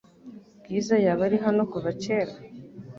Bwiza yaba ari hano kuva kera?